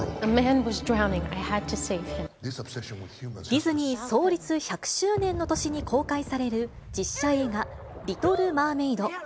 ディズニー創立１００周年の年に公開される実写映画、リトル・マーメイド。